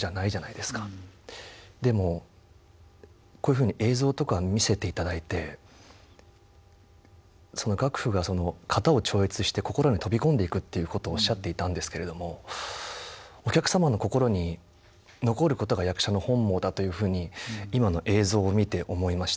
でもこういうふうに映像とか見せていただいてその岳父がその型を超越して心に飛び込んでいくっていうことをおっしゃっていたんですけれどもお客様の心に残ることが役者の本望だというふうに今の映像を見て思いました。